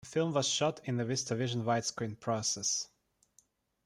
The film was shot in the VistaVision widescreen process.